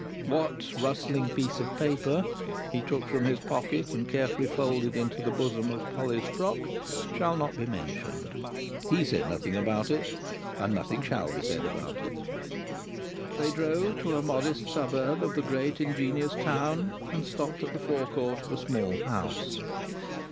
What rustling piece of paper he took from his pocket, and carefully folded into the bosom of Polly's frock, shall not be mentioned. He said nothing about it, and nothing shall be said about it. They drove to a modest suburb of the great ingenious town, and stopped at the forecourt of a small house.